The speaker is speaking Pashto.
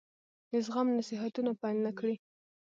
د زغم نصيحتونه پیل نه کړي.